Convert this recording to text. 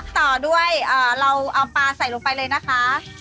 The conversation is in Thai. ต่อด้วยเราเอาปลาใส่ลงไปเลยนะคะ